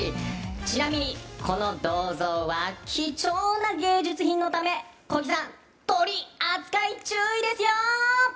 ちなみにこの銅像は貴重な芸術品のため小木さん、トリ扱い注意ですよ！